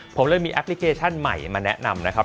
ผมเลยมีแอปพลิเคชันใหม่มาแนะนำนะครับ